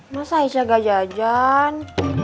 masa aisyah gajah gajah